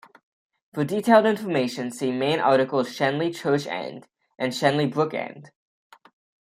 "For detailed information, see main articles Shenley Church End and Shenley Brook End".